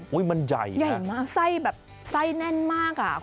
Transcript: มันใหญ่ค่ะใหญ่มากไส้แบบไส้แน่นมากค่ะคุณพร้อม